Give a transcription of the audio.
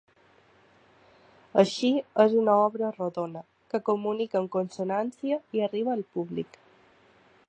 Així és una obra rodona, que comunica en consonància i arriba al públic.